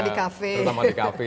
terutama di cafe